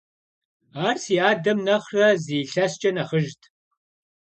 Ар си адэм нэхърэ зы илъэскӀэ нэхъыжьт.